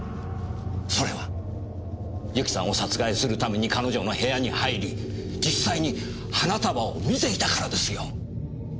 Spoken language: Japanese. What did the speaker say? それは由紀さんを殺害するために彼女の部屋に入り実際に花束を見ていたからですよ！